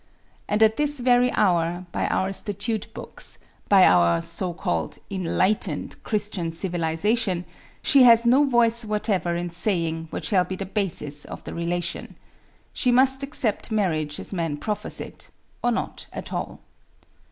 And at this very hour, by our statute books, by our (so called) enlightened Christian civilization, she has no voice whatever in saying what shall be the basis of the relation. She must accept marriage as man proffers it, or not at all.